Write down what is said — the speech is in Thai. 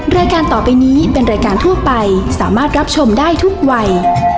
รายการต่อไปนี้เป็นรายการทั่วไปสามารถรับชมได้ทุกวัย